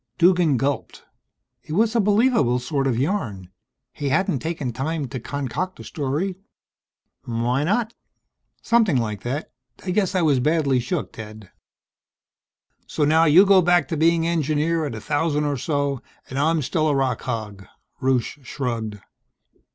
Duggan gulped. It made a believable sort of yarn. He hadn't taken time to concoct a story.... Why not? "Something like that. I guess I was badly shook, Ted." "So now you go back to being engineer at a thousand or so, and I'm still a rock hog." Rusche shrugged.